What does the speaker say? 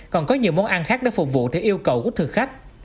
còn có nhiều món ăn khác để phục vụ theo yêu cầu của thực khách